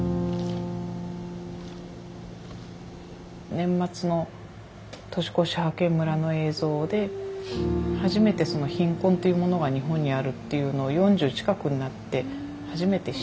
年末の年越し派遣村の映像で初めて貧困っていうものが日本にあるっていうのを４０近くになって初めて知って。